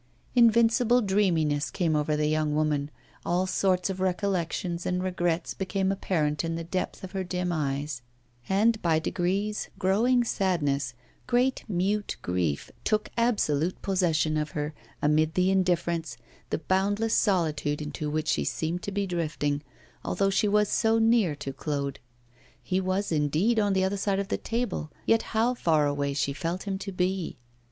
Invincible dreaminess came over the young woman, all sorts of recollections and regrets became apparent in the depths of her dim eyes; and by degrees growing sadness, great mute grief took absolute possession of her, amid the indifference, the boundless solitude into which she seemed to be drifting, although she was so near to Claude. He was, indeed, on the other side of the table, yet how far away she felt him to be!